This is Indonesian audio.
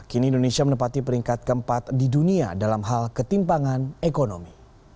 kini indonesia menempati peringkat keempat di dunia dalam hal ketimpangan ekonomi